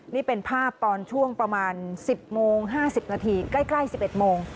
นี่เป็นภาพตอนช่วงประมาณ๑๐โมง๕๐นาทีใกล้๑๑โมง